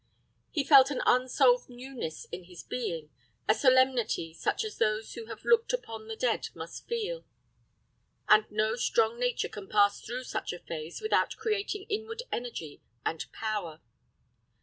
He felt an unsolved newness in his being, a solemnity such as those who have looked upon the dead must feel. And no strong nature can pass through such a phase without creating inward energy and power.